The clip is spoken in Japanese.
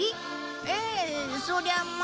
ええそりゃまあ。